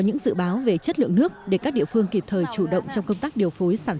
những dự báo về chất lượng nước để các địa phương kịp thời chủ động trong công tác điều phối sản